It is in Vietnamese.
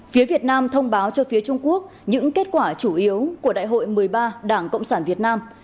phía việt nam thông báo cho phía trung quốc những kết quả chủ yếu của đại hội một mươi ba đảng cộng sản việt nam